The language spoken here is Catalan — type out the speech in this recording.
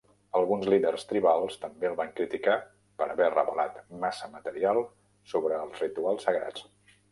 Alguns líders tribals també el van criticar per haver revelat massa material sobre els rituals sagrats.